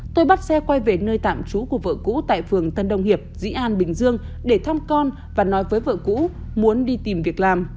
tôi bắt xe quay về nơi tạm trú của vợ cũ tại phường tân đông hiệp dĩ an bình dương để thăm con và nói với vợ cũ muốn đi tìm việc làm